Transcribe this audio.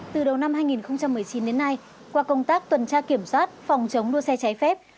từ đầu năm hai nghìn một mươi chín đến nay qua công tác tuần tra kiểm soát phòng chống đua xe trái phép